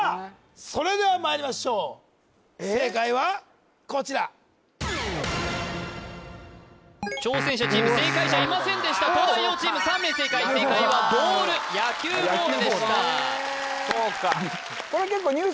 それではまいりましょう正解はこちら挑戦者チーム正解者いませんでした東大王チーム３名正解正解はボール野球ボールでしたあっ野球ボール・